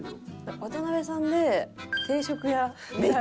渡辺さんで定食屋見たい。